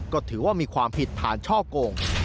ก็ถือว่ามีความผิดฐานช่อกง